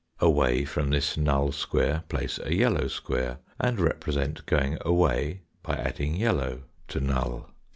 Away from this null square place a yellow square, and represent going away by adding yellow to null.